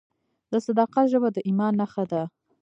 د صداقت ژبه د ایمان نښه ده.